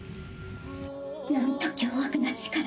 なんと凶悪な力。